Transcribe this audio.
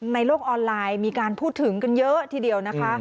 ในโลกออนไลน์มีการพูดถึงกันเยอะทีเดียวนะคะ